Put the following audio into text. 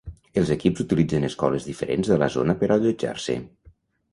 Els equips utilitzen escoles diferents de la zona per allotjar-se.